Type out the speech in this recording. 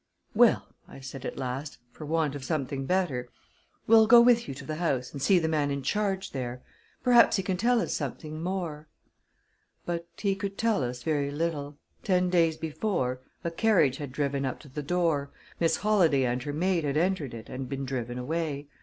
"Well," I said at last, for want of something better, "we'll go with you to the house, and see the man in charge there. Perhaps he can tell us something more." But he could tell us very little. Ten days before, a carriage had driven up to the door, Miss Holladay and her maid had entered it and been driven away.